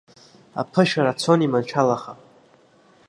Аԥышәара цон иманшәалаха.